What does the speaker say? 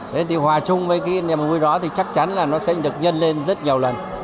thế thì hòa chung với cái niềm vui đó thì chắc chắn là nó sẽ được nhân lên rất nhiều lần